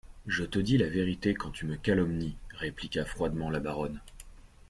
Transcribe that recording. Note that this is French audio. Je te dis la vérité quand tu me calomnies, répliqua froidement la baronne.